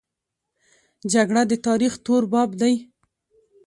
جګړه د تاریخ تور باب دی